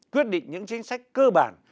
quyết định những chính sách cơ bản